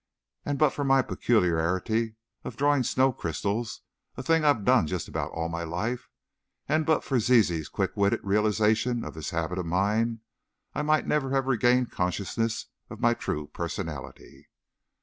And but for my peculiarity of drawing snow crystals, a thing I've done just about all my life, and but for Zizi's quick witted realization of this habit of mine, I might never have regained consciousness of my true personality!"